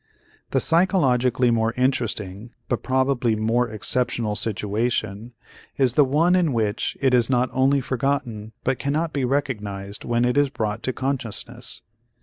The psychologically more interesting but probably more exceptional situation is the one in which it is not only forgotten but cannot be recognized when it is brought to consciousness.